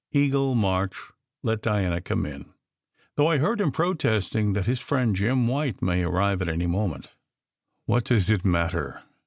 Eagle March let Diana come in, though I heard him protesting that his friend Jim White might arrive at any moment. "What does it matter?"